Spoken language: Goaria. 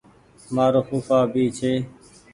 مآرو ڦوڦآ بي ڇي۔